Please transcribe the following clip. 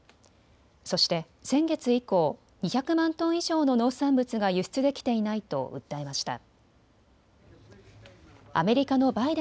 そして先月以降、２００万トン以上の農産物が輸出できていないと訴えました。